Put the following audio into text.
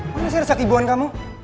mana sih rasa kehibuan kamu